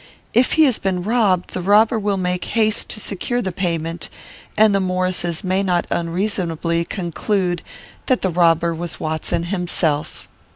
If he has been robbed, the robber will make haste to secure the payment, and the Maurices may not unreasonably conclude that the robber was Watson himself.'